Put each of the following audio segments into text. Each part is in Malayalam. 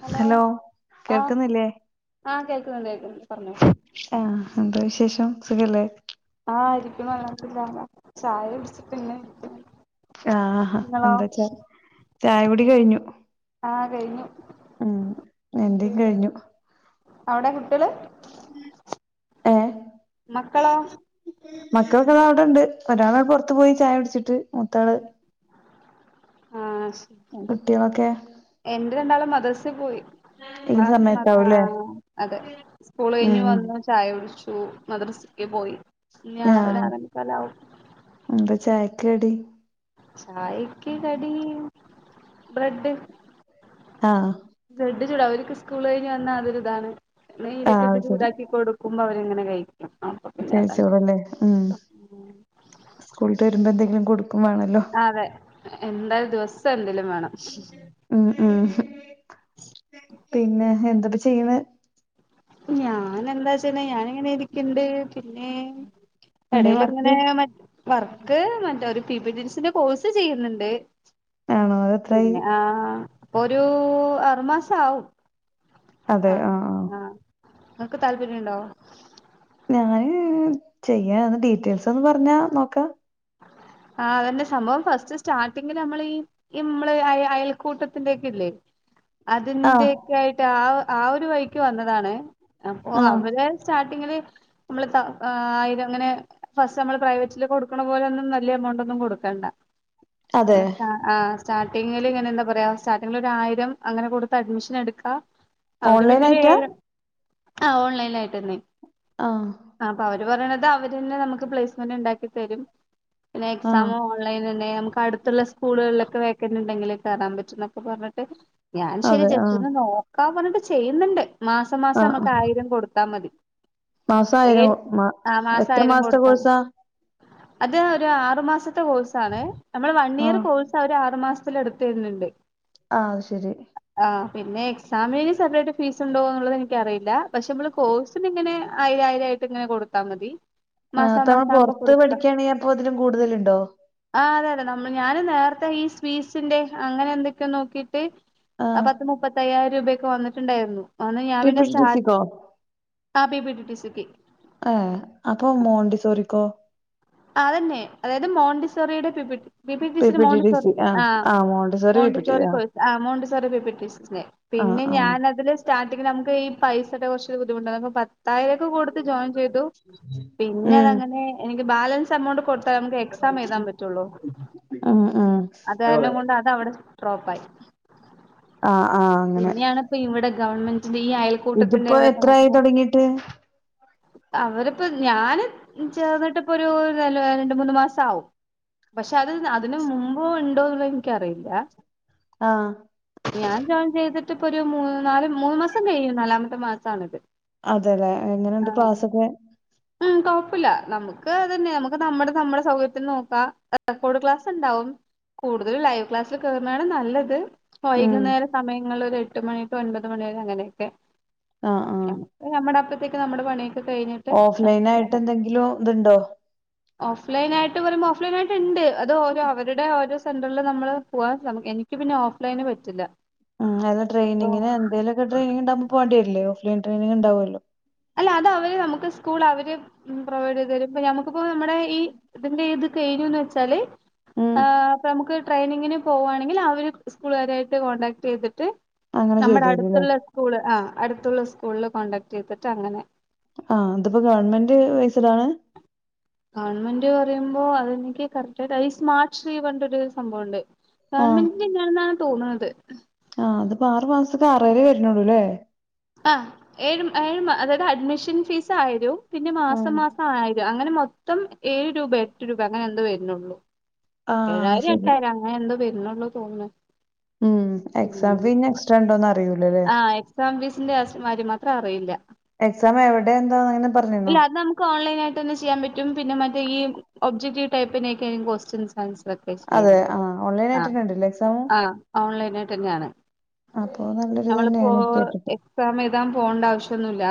ഹലോ അ കേൾക്കുന്നില്ലേ ആ കേൾക്കുന്നുണ്ട് കേൾക്കുന്നുണ്ട് പറഞ്ഞോ ആ എന്താ വിശേഷം സുഖല്ലേ ആ ഇരിക്കണ് അല്ലത്തി [inaudible] ല്ല ചായ കുടിച്ചിട്ട് പിന്നെ ഇരിക്ക ആ ഹഹാ എന്താച്ചാ ചായ കുടി കഴിഞ്ഞു ആ കഴിഞ്ഞു ഉം എൻ്റിം കഴിഞ്ഞു അവിടെ കുട്ട്യള് ഏ മക്കളോ മക്കളൊക്കൊ ദാ അവിടണ്ട് ഒരാള് പുറത്ത് പോയി ചായ കുടിച്ചിട്ട് മൂത്താള് ആ ശ കുട്ടികളൊക്കെ എന്റെ രണ്ടാളും മദ്രസേ പോയി ഈ ക്ലാസ് നൊക്കെ ആ സമയത്താവൂല്ലേ അതെ സ്കൂൾ കഴിഞ്ഞ് ഉം വന്നു ചായ കുടിച്ചു മദ്രസക്ക് പോയി ഇനി ആറ് ആഹ് ആറേമുക്കാലാവും എന്താ ചായക്ക് കടി ചായക്ക് കടി ബ്രെഡ് അ ആ ബ്രെഡ് ചൂട അവർക്ക് സ്കൂൾ കഴിഞ്ഞ് വന്നാൽ അതൊരിതാണ് നെയ്യിലൊക്കെ ആഹ് ഇട്ട് അത് ശരി ചൂടാക്കി കൊടുക്കും കുമ്പ അവരങ്ങനെ കഴിക്കും ആ കഴിച്ചോളല്ലേ ഉം സ്കൂള് വിട്ട് വരുമ്പോ എന്തെങ്കിലും കൊടുക്കും വേണല്ലോ അതെ എന്തായാലും ദിവസം എന്തേലും വേണം ഉം ഉം പിന്നെ എന്തൊപ്പ ചെയ്യണ് ഞാൻ എന്താച്ചെന്നാ ഞാനിങ്ങനെ ഇരിക്കണ്ട് പിന്നെ എന്തേം എടേൽ വർക്ക് ഇങ്ങനെ വർക്ക് മറ്റൊര് P P T C C course ചെയ്യുന്നുണ്ട് ആണോ അതെത്രായി പിന്നെ ആ ഒരു അറു മാസാവും അതെ അ ആഹ് ആഹ് അ ഇങ്ങക്ക് താല്പര്യം ഉണ്ടോ ഞാന് ചെയ്യാന് ഡീറ്റെയിൽസ് ഒന്ന് പറഞ്ഞാ നോക്കാം ആ അതെന്നെ സംഭവം ഫസ്റ്റ് സ്റ്റാർട്ടിംഗില് നമ്മള് ഈ ഇമ്മള് അ അയൽക്കൂട്ടത്തിന്റെ ഒക്കെ ഇല്ലേ ആഹ് അതിൻ്റൊക്കെ ആയിട്ട് ആ ആ ഒരു വഴിക്ക് വന്നതാണ് അപ്പോ ആഹ് അവര് സ്റ്റാർട്ടിങ്ങില് നമ്മള്പ്പ അയിനങ്ങനെ ഫസ്റ്റ് നമ്മൾ പ്രൈവറ്റില് കൊടുക്ക കൊടുക്കണ പോലെന്നും വെല്ല്യ എമൗണ്ടൊന്നും കൊടുക്കണ്ട അതെ [unintelligible] ആഹ് സ്റ്റാർട്ടിങ്ങില് ഇങ്ങനെ എന്താ പറയാ സ്റ്റാർട്ടിങ്ങില് ഒരു ആയിരം അങ്ങനെ കൊടുത്ത് അഡ്മിഷൻ എടുക്കാ അവര് ഓൺലൈൻ പിന്നൊരു ആയിട്ടാ ഏഴ് ആഹ് ഓൺലൈനായിട്ടന്നെ ആഹ് ആഹ് അപ്പൊ അവര് പറയണത് അവര് തന്നെ നമുക്ക് പ്ലേസ്മെന്റ് ഇണ്ടാക്കി തരും പിന്നെ ആഹ് എക്സാമോ ഓൺലൈൻ തന്നെ നമ്മുക്ക് അടുത്തുള്ള സ്കൂളുകളിലൊക്കെ വേക്കൻറ്ണ്ടെങ്കില് കേറാൻ പറ്റുംന്നൊക്കെ പറഞ്ഞിട്ട് ഞാൻ ശരി അതെ ആഹ് ജസ്‌റ്റോന്ന് നോക്കാ പറഞ്ഞിട്ട് ചെയ്യുന്നുണ്ട് മാസം മാസം ആഹ് ആഹ് നമ്മക്ക് ആയിരം കൊടുത്താ മതി മാസം ആയിരം ഏഹ് മാ ആഹ് എത്ര മാസായിരം മാസത്തെ കൊടുത്ത കോഴ്സാ അത് ഒരു ആറു മാസത്തെ കോഴ്സാണ് നമ്മളെ വൺ ഇയർ ആഹ് കോഴ്സ് അവര് ആറു മാസത്തില് എടുത്തരുന്നുണ്ട് ആഹ് അത് ശെരി ആഹ് പിന്നെ എക്സാമിനിനി സെപ്പറേറ്റ് ഫീസ് ഉണ്ടോന്നുള്ളത് എനിക്കറിയില്ല പക്ഷെ മ്മള് കോഴ്സ് പിന്നിങ്ങനെ ആയിരയിരായിട്ടിങ്ങനെ കൊടുത്താ മതി മാസാ മാസം ആകുമ്പോ പൊറത്ത് കൊടുക്കാം പഠിക്കാണെങ്കെ അപ്പോ അതിലും കൂടുതലുണ്ടോ ആഹ് അതെ അതെ നമ്മള് ഞാന് നേരത്തെ ഈ സ്വീസിന്റെ അങ്ങനെ എന്തൊക്ക്യോ നോക്കിട്ട് ആഹ് പത്ത് മുപ്പത്തയ്യായിരം രൂപൊക്കെ വന്നിട്ടുണ്ടായിരുന്നു അന്ന് ഞാൻ പി പി പിന്നെ ടി ടി സ്റ്റാർ സിക്കോ ആഹ് പി പി ടി ടി സിക്കി ആഹ് അപ്പൊ മോണ്ടി സോറിക്കോ അതന്നെ അതായത് മോണ്ടിസോറിയുടെ P P P T T സീടെ മോണ്ടിസോറി ആഹ് മോണ്ടിസോറി കോഴ്സ് ആഹ് Montessori P P T T സിനെ ആഹ് പിന്നെ ആഹ് ഞാനതില് സ്റ്റാർട്ടിങ് നമ്മുക്ക് ഈ പൈസേടെ കൊറച്ച് ബുദ്ധിമുട്ടതൊക്കെ പറ പത്തായിരൊക്കെ കൊടുത്ത് ജോയിൻ ചെയ്തു പിന്നെ ഉം അതങ്ങനെ എനിക്ക് ബാലൻസ് എമൗണ്ട് കൊടുത്ത നമ്മുക്ക് എക്സാം എഴുതാൻ പറ്റുള്ളൂ ഉം ഉം ആഹ് അതാരണം കൊണ്ട് അതവടെ വെച്ച് ഡ്രോപ്പായി ആഹ് ആഹ് അങ്ങനെ പിന്നെയാണ് ഇപ്പ ഇവടെ ഗവൺമെന്റിന്റെ ഈ അയൽ ഇതിപ്പോ എത്രായി തൊടങ്ങിട്ട് അവരിപ്പ ഞാന് ചേർന്നിട്ടിപ്പൊ ഒരു രണ്ട് മൂന്ന് മാസം ആവും പക്ഷെ അത് അതിന് മുമ്പ് ഇണ്ടോ എന്നുള്ളത് എനിക്കറിയില്ല ആഹ് ഞാൻ ജോയിൻ ചെയ്തിട്ടിപ്പൊരു മൂന്ന് നാല് മൂന്ന് മാസം കഴിയും നാലാമത്തെ മാസാണിത് അതെല്ലെ എങ്ങന്ണ്ട് ആഹ് ക്ലാസ്സൊക്കെ ഉം കൊഴപ്പില്ല നമ്മുക്ക് ക്കാത് തന്നെയാ നമ്മുടെ നമ്മുടെ സൗകര്യത്തിന് നോക്കാ റെക്കോഡ് ക്ലാസ് ഇണ്ടാവും കൂടുതല് ലൈവ് ക്ലാസ്സില് കേറുന്നതാണ് നല്ലത് ഉം വൈകുന്നേര സമയങ്ങളില് ഒരു എട്ട് മണി ടു ഒൻപത് മണി വരെ അങ്ങനൊക്കെ ആഹ് ആഹ് നമ്മടെ അപ്പത്തേക്ക് നമ്മടെ പണി ഓഫ് ലൈനായിട്ട് എന്തെങ്കിലും ഇത്ണ്ടോ ഓഫ് ലൈൻ ആയിട്ട് വരുമ്പോ ഓഫ് ലൈൻ ആയിട്ട് ഇണ്ട് അത് ഓരോ അവരുടെ ഓരോ സെന്ററില് നമ്മള് പോവാൻ ന എനി നിക്ക് പിന്നെ ഓഫ് ലൈന് പറ്റില്ല ഉം അല്ല ട്രെയിനിങ്ങിന് എന്തെലൊക്കെ ട്രെനിങ്ങ് ഇണ്ടാവുമ്പോ പോവണ്ടി വരില്ലേ ഓഫ്‌ ലൈൻ ട്രെയിനിങ് ഇണ്ടാവുല്ലോ അല്ല അത് അവര് നമ്മുക്ക് സ്കൂൾ അവര് പ്രൊവൈഡ് ചെയ്തു തരും ഇപ്പൊ ഞമ്മുക്കിപ്പോ നമ്മുടെ ഈ ഇതിന്റെ ഇത് കഴിഞ്ഞൂന്ന് വെച്ചാല് ഉം ആഹ് അപ്പ നമ്മുക്ക് ട്രെയിനിങ്ങിന് പോവാണെങ്കിൽ അവര് സ്കൂളുകാരായിട്ട് കോണ്ടാക്ട് ചെയ്തിട്ട് അങ്ങനെ ചെയ്തു നമ്മടെ തരൂല്ലേ അടുത്തുള്ള സ്കൂള് ആഹ് അടുത്തുള്ള സ്കൂളില് കോണ്ടാക്ട് ചെയ്തിട്ട് അങ്ങനെ ആഹ് അതിപ്പോ ഗവൺമെന്റ് വൈസ്ഡാണ് ഗവൺമെന്റ് പറയുമ്പോ അതെനിക്ക് കറക്റ്റായിട്ട് അയ് സ്മാർട്ട് ശ്രീ പറഞ്ഞിട്ടൊരു സംഭവുണ്ട് ആഹ് ഗവൺമെന്റിന്റെ തന്നെയാണെന്നാണ് തോന്നണത് ആഹ് അത്പ്പ ആറു മാസത്തെക്ക് ആറായിരേ വരണുള്ളൂല്ലേ ആഹ് ഏഴ് ഏഴ് മ അതായത് അഡ്മിഷൻ ഫീസ് ആയിരോം പിന്നെ മാസം ആഹ് മാസം ആയിരം അങ്ങനെ മൊത്തം ഏഴ് രൂപ എട്ട് രൂപ അങ്ങനെ എന്തോ വര ന്നൊള്ളു ആഹ് എന്തായാലും ശരി എട്ടായിരം അങ്ങനെ എന്തോ വരുന്നുള്ളു തോന്ന്ണ് ഉം എക്സാം പിന്നെ എക്സ്ട്രാ ഇണ്ടോന്ന് അറിയ്യൂല്ലല്ലേ ആഹ എക്സാം ഫീസിന്റെ അസ് മാത്രം അറിയില്ല എക്സാം എവടെ എന്താഅങ്ങനെ പറഞ്ഞന്നോ ക്കോൺലൈനായിട്ടന്നെ ചെയ്യാൻ പറ്റും പിന്നെ മറ്റേ ഈ ഒബ്ജറ്റിവ് ടൈപ്പിനെ ഒക്ക [unintelligible] ക്ക അതെ ചെയ്യുന്നത് ആഹ് ആ ഓൺലൈനായിട്ടന്നെ ഇണ്ടല്ലേ എക്സാമ്? ആ ഓൺലൈനയിട്ട്ന്നെയാണ് ആ തോന്ന്ണ്ട് മ്മളിപ്പോ എക്സാം എഴുതാൻ പോണ്ട ആവശ്യൊന്നുല്ല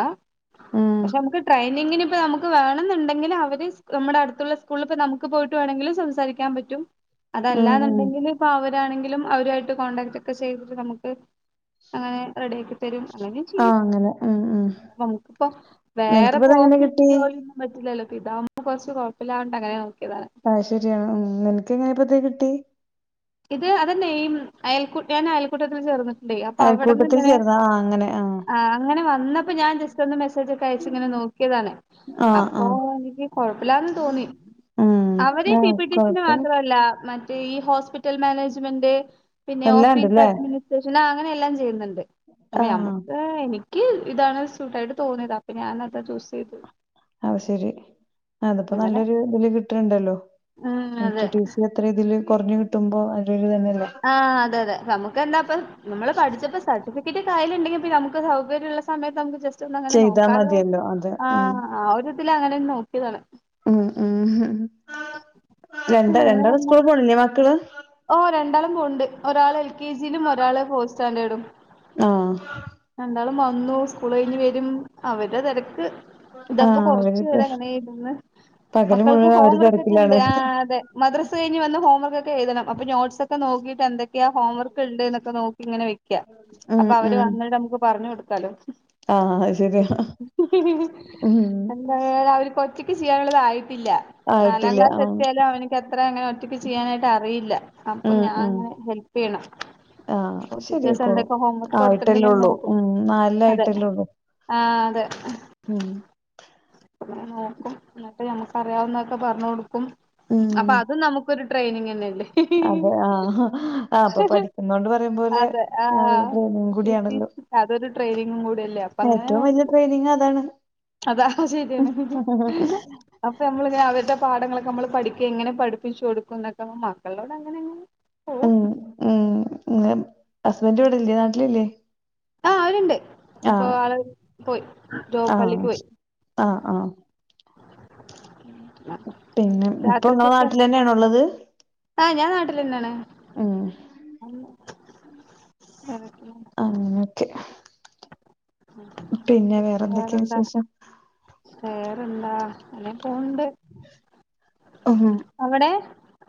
ഉം പക്ഷെ നമുക്ക് ട്രെയിനിങ്ങിപ്പോ നമുക്ക് വേണെന്നുണ്ടെങ്കില് അവര് നമ്മുടെടുത്തുള്ള സ്കൂളഇപ്പോ നമുക്ക് പോയിട്ട വേണമെങ്കി സംസാരി ൻ പറ്റും ഉം ഉം അതല്ലന്ന്ണ്ടെങ്കിൽപ്പൊ അവരാണെങ്കിലും അവരുരായിട്ട് കോണ്ടാക്ട് ഒക്കെ ചെയ്തിട്ട് നമുക്ക് അങ്ങനെ റെഡിയ ആക്കി തരും അല്ലെങ്കി ചെയ്യും ആഹ് അങ്ങനെ ഉം ഉം [unintelligible] അൻ ക്ക്പ്പൊ വേറെപ്പൊ നിനക്കിപ്പത് എങ്ങനെ ഓഫീസ് കിട്ടി ജോലി പറ്റില്ലല്ലോ പ്പ ഇതാവുമ്പൊ കൊർച്ച് കൊഴപ്പില്ലാണ്ട് അങ്ങനെ നോക്കിയതാ പക്ഷെ [unintelligible] ഉം നിൻക്ക് എങ്ങനെ പ്പത് കിട്ടി ഇത് അതാ നെയിമ് അയൽക്കൂ ഞാൻ അയൽക്കൂട്ടത്തിന് ചേർന്ന് അപ്പൊ അവടന്ന് അയൽക്കൂട്ടത്തിൽ ഇങ്ങനെ ചേർന്ന ആഹ് അങ്ങനെ ആഹ് ആ അങ്ങനെ വന്നപ്പോ ഞാൻ ജസ്റ്റ് ഒന്ന് മെസ്സേജോക്കെ അയച്ച് ഇങ്ങനെ നോ ഇതാണ് ആഹ് അപ്പൊ ആഹ് നിക്ക് കൊഴപ്പല്ലാന്ന് തോന്നി ഉം അവര് പി ആഹ് പി ടി സിന്റെ കൊഴപ്പ മാത്രല്ല മറ്റേ ഈ ഹോസ്പിറ്റൽ മാനേജ്മെന്റ് പിന്നെ എല്ലാം ഓഫീസ് ഉണ്ടല്ലേ അഡ്മിനിസ്ട്രേഷൻ അങ്ങനെ എല്ലാം ചെയ്യുന്നുണ്ട്. അപ്പൊ ആഹ് നമുക്ക് എനി ക്ക് ഇതാണ് സൂട്ടായിട്ട് തോന്നിതപ്പൊ ഞാാനതാ ചൂസ് ചെയ്ത് അത് ശെരി അതിപ്പോ നല്ലൊരു ഇതില് കിട്ട്ണണ്ടല്ലോ ഉം അതെ എത്ര ഇതില് കൊർഞ്ഞു കിട്ടുമ്പോ അയിലോരുതന്നെയല്ലേ ആഹ് അതെ അതെ നമുക്ക് തന്നെപ്പ നമ്മള് പഠിച്ചപ്പൊ സ ടിക്കറ്റ് കായലുെങ്കിൽ പി നമക്ക് സൗകര്യമള്ള സമയത് നമുക്ക് ജെ ച്ചന്നങ്ങനെ ചെയ്താ നോക്കാലോ മതിയല്ലോ അതെ ഉം ആഹ് ആ ഒരു ഇതിലങ്ങനെ നോക്കിയതാണ് ഉം ഉം രണ്ടാ രണ്ടാള് സ്കൂള് പോണില്ലേ മക്കള് ഓഹ് രണ്ടാളും പോവ്ണ്ട്. ഒരാള് എൽ കെ ജിയിലും ഒരാള് ഫോർ സ്റ്റാൻഡേർഡും ആഹ രണ്ടാളും വന്നു സ്കൂൾ കഴിഞ്ഞഞ് വരും അവർടെ തെരക്ക് ഇതപ്പോ ആഹ് കൊറച്ചു അവരിപ്പ നേരങ്ങനെ ഇരുന്ന് പകല് മക്കൾക്ക് മുഴുവൻ ഹോം അവര് വർക്ക്ക്കെണ്ട് തെരക്കിലാണ് ആഹ് അതെ മദ്രസ് കഴിഞ് വന്ന് ഹോംവർക്കെ എഴതണം അപ്പ നോട്സ്ക്ക നോക്കിട്ട് എന്തക്കെ ഹോംവർക്ക്ണ്ട്ന്നൊക്കെ നോക്കി ഇങ്ങനെ വെക്ക ഉം അപ്പൊ അവര് ഉം വന്നിട്ട് നമുക്ക് പറഞ്ഞു കൊടുക്കാലോ ആഹ് അത് ശെരിയാ ഉം എ അവര്കൊറ്റക്ക് ചെയ്യാനുള്ളതായിട്ടില്ല നാലാം ആയിട്ടില്ല ക്ലാസ് ആഹ് എത്തിയാലും അവനക്ക് എത്ര അങ്ങനെ ഒറ്റയ്ക്ക് ചെയ്യാനായിട്ട് അറിയില്ല അപ്പൊ ഉം ഞാൻ ഉം ഹെല്പ് ചെയ്യണം ആഹ് അപ്പൊ പിറ്റേസം ശെരിയായിക്കോളും എന്തൊക്കെ ഹോം വർക്ക് ആയിട്ടല്ലേ ഒള്ളൂ കൊടുത്തിണ്ടെങ്കെനോക്കും ഉം അതെ നാലിലായിട്ടല്ലേ ഒള്ളൂ ആഹ് അതെ ഉം അങ്ങനെ നോക്കും. ഇന്നട്ട് ഞമ്മക്ക് അറിയാവുന്നൊക്കെ പറഞ്ഞ് കൊടുക്കും ഉം അപ്പൊ അതും നമുക്കൊരു ട്രെയിനിങ് തന്നെല്ലേ അപ്പൊ ആഹ് അപ്പൊ പഠിക്കുന്നോണ്ട് പറിയും പോലെ അതെ അതൊരു ആഹ് ഡ്രെയിനിങ് പി ടി കൂടിയാണല്ലോ അതൊരു ട്രെയിനിങ്ങും കൂടില്ലേ അപ്പ അങ്ങനെ ഏറ്റവും വലിയ നോക്കി ട്രെയിനിങ് അതാണ് അത് ശരിയാണ് അപ്പൊ നമ്മളിങ്ങനെ അവർടെ പാഠങ്ങളൊക്കെ നമ്മള് പഠിക്ക എങ്ങനെ പഠിപ്പിച്ചു കൊടുക്കും ന്നൊക്കെ മക്കളോട് അങ്ങനെ യങ്ങനെ ഉം ഉം ങ്ങളെ ഹസ്ബൻഡ ഇവടെഇല്ലേ നാട്ടിലില്ലേ ആഹ അവർണ്ട് ഇപ്പൊ ആഹ് ആള് പോയി ജോപ്പള്ളി ആഹ് പോയി ആഹ് ആഹ് [inaudible] പിന്നെ ഇപ്പൊ ഇങ്ങളെ നാട്ടിലന്നെയാണുള്ളത് ആഹ് ഞാൻ നാട്ടിലന്നെയാണ് ഉം ആഹ് ഓക്കേ പിന്നെ വേറെന്തൊക്കെയാ വേറെന്താ വിശേഷം വേറെന്താ അല്ലേ പോണുണ്ട് ഓഹോ അവിടെ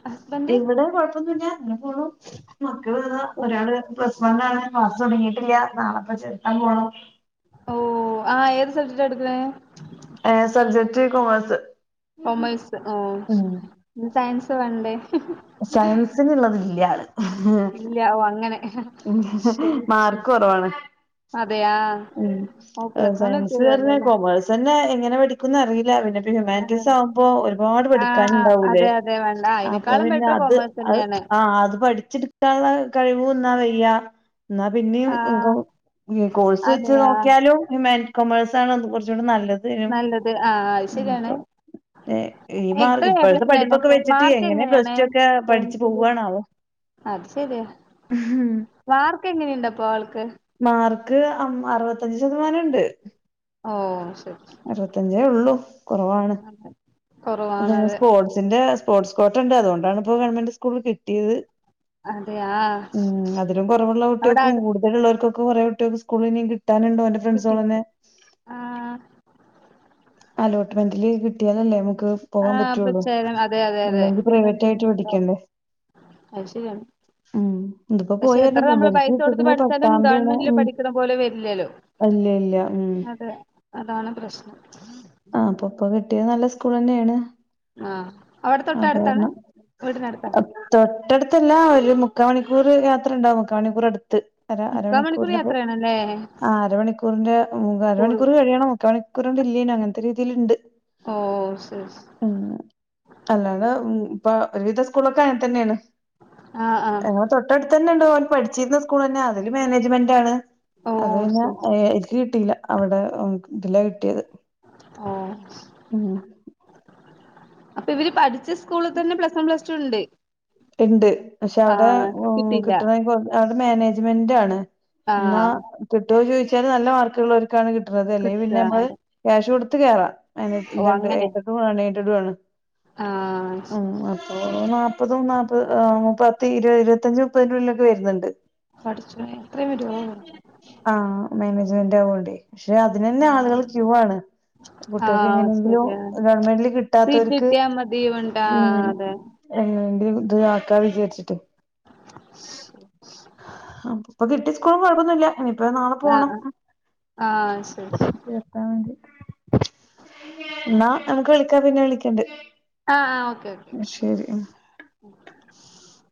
ഹസ്ബൻഡ് ഇവിടെ കൊഴപ്പൊന്നൂല്ല്യ അങ്ങനെ ഫുള്ളും മക്കള് ദാ ഒരാള് പ്ലസ് വണ്ണാണ് ക്ലാസ്സ് തുടങ്ങിട്ടില്ല നാളെപ്പ ചെർത്താൻ പോണം ഓഹ് ആഹ് ഏത് സബ്ജെക്റ്റാ എടുക്കണേ ഏഹ് സബ്ജെക്റ്റ് കോമേഴ്സ് കൊമേഴ്സ് ആഹ് സയൻസ് വേണ്ടേ സയൻസിനുള്ളതില്ലാള് ഇല്ല ഓഹ് അങ്ങനെ ശരി മാർക്ക് ശരി കൊറവാണ് അതെയാ ഉം ഓ പ്ലസ് വൺ സയൻസ് എത്തിയല്ലോ പറഞ്ഞാ അല്ലേല്ലോ കോമേഴ്സ് ഇതെന്നെ എങ്ങനെ പഠിക്കുന്ന് അറിയില്ല പിന്നെ അതെ ഹ്യൂമാനിറ്റീസ് ആവുമ്പോ ഒരുപാട് ആ പഠിക്കാനുണ്ടാവൂലേ അതെ അതെ വേണ്ട ആ അപ്പൊ അതിനേക്കാളും പിന്നെ ബെറ്റർ അത് കൊമേഴ്സ് അത് തന്നെയാണ് അഹ് അത് പഠിച്ചെടുക്കാനുള്ള കഴിവ് ഒന്നാമതില്ലാ എന്നാ പിന്നെയും ആ കോ കോഴ്സ് വെച്ച് അതെയാ നോക്കിയാലും ഹ്യൂമൻ കൊമേഴ്സാണ് അത് കൊറച്ചൂടെ നല്ലത് ഉം നല്ലത് ആഹ് അത് ശരിയാണ് ഇപ്പൊ ഏ, ഈ മാർ ഏത്ര എ ഇപ്പോഴത്തെ പ്ലസ് പഠിപ്പൊക്കെ ഉണ്ടായിരുന്നപ്പോ വെച്ചിട്ട് മാർക്ക് എങ്ങനെ പ്ലസ് എങ്ങനെയാണ് ടു ഒക്കെ പഠിച്ചു ടെൻത്തില് പോവാണാവോ അത് ശരിയാ മാർക്ക് എങ്ങനെയുണ്ടപ്പൊ ആൾക്ക് മാർക്ക് അം അറുപത്തഞ്ച് ശതമാനുണ്ട് ഓഹ് ശരി അറുപത്തഞ്ചേ ഒള്ളൂ കൊറവാണ് അതെ പിന്നെ കുറവാണത് സ്പോർട്സ് സി ന്റെ സ്പോർട്സ് കോട്ടണ്ട് അതുകൊണ്ടാണ് ഇപ്പോ ഗവൺമെന്റ് സ്കൂള് കിട്ടിയത് അതെ ആഹ് ഉം അതിലും കുറവുള്ള അവിടെ കുട്ടികൾക്കും അടുത്ത് കൂടുതലുള്ളോർക്കും ക്ക് കുറെ കുട്ടികൾക്കു സ്കൂളിനി കിട്ടാനുണ്ടോന്റെ കിട്ടിക്ക് ആഹ് അലോട്ട്മെന്റില് കിട്ടിയാതല്ലേ നമ്മുക് പോകാൻ ആഹ് അപ്പൊ പറ്റുള്ളു ചേരാൻ അതെ അതെ അല്ലെങ്കിൽ പ്രൈവറ്റ് ആയിട്ട് പഠിക്കണ്ടേ അഹ് ശരിയാണ് ഉം ഇതിപ്പോ പോയി പക്ഷെ എത്ര വരണപ്പോ നമ്മള് ഇവർക്ക് പൈസ കൊടുത്ത് കിട്ടിക്കുന്നത് പഠിച്ചാലും പട്ടാമ്പിയാണ് ഗവൺമെന്റിൽ ഉം പഠിക്കുന്ന പോലെ വരില്ലല്ലോ ഇല്ല ഇല്ല ഉം അതെ അതാണ് പ്രശ്നം ആഹ് ഇപ്പൊ കിട്ടിയത് നല്ല സ്കൂൾ തന്നെയാണ് അഹ് അവിടെ തൊട്ട അത് അടുത്താണ് കാരണം വീടിനടുത്താ തൊട്ടടുത്തല്ല ഒരു മുക്കമണിക്കൂർ യാത്ര ഇണ്ടാവും മുക്കമണിക്കൂർ അടുത്ത് അര മുക്കാ മണിക്കൂർ അരമണിക്കൂറിപ്പ യാത്രയാണല്ലേ അഹ് അരമണിക്കൂറിന്റെ മു കൂടു അരമണിക്കൂർ കഴിയണം മുക്ക മണിക്കൂറിന്റെ നു അങ്ങനത്തെ രീതിൽണ്ട് ഓ ശരി ഉം അല്ലാതെ ഇപ്പൊ ഒരുവിധ സ്കൂളൊക്കെ അങ്ങനെ തന്നെയാണ് അഹ് ആഹ ഞങ്ങളെ തൊട്ടടുത്ത് തന്നെ ഇണ്ടോ ഓൻ പഠിച്ചിരുന്ന സ്കൂൾന്നെ അതില് മാനേജ്മെന്റ് ആണ് ഓ അത് പിന്നാ ശരി ഹെ എനിക്ക് കിട്ടിയില്ല അവിടെ ഇതില കിട്ടിയത് അഹ് [unintelligible] അപ്പൊ ഇവര് പഠിച്ച സ്കൂളിൽ തന്നെ പ്ലസ് വൺ പ്ലസ് ടു ഇണ്ട് ഇണ്ട് പക്ഷെ അവിടെ ഹെ കിട്ടിയില്ല കിട്ടണെങ്ക അവിടെ മാനേജ്മെന്റാണ് എന്നാ ആഹ് കിട്ടോ ചോദിച്ചാല് നല്ല മാർക്കുള്ളോർക് ക്കാണ് കിട്ടുന്നത് അല്ലെ കിട്ട പിന്നെ നമ്മള് അതെ ക്യാഷ് കൊടുത്ത് കേറാം ഓ ഇതുണ്ട് അങ്ങനെ അയിന്റെ പ്പം എണീറ്റടുണ് ആഹ് ഓ നാപ്പതും നാപ്പത് ഹെ പത്ത് ഇരുപത് ഇരുപത്തഞ്ചും മുപ്പതിനുള്ളിലൊക്കെ വരുന്നുണ്ട് പടച്ചോനെ ഇത്രയും വരെ ആ മാനേജ്മെന്റ് ആവോണ്ടേ പക്ഷെ അതിനന്നെ ഓഹ് ആളുകള് ക്യൂ ആണ് കുട്ടികൾക്ക് ആഹ് എങ്ങനെങ്കിലും ശരിയാ ഗവൺമെന്റില് സീറ്റ് കിട്ടാത്തോർക്ക് കിട്ടിയാ മതി വേണ്ട ഉം അതെ എ ത് ഇത് ആക്കാ വിചാരിച്ചിട്ട് ഇപ്പൊ കിട്ടി സ്കൂളും കൊഴപ്പൊന്നുല്ല ഇനിയിപ്പം നാളെ ആഹ് പോണം ആഹ് ആഹ് ശരി [unintelligible] എന്നാ നമക്ക് വിളിക്കാ പിന്നെ വിളിക്കണ്ട്‌ ആഹ ആ ഓക്കെ ഓക്കെ ന്നാ ശരി ഉം [inaudible]